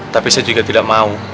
tapi saya juga tidak mau